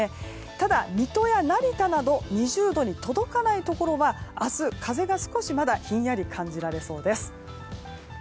ただ水戸や成田など２０度に届かないところは明日、風が少しまだひんやり感じられそうです。